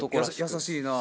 優しいなぁ。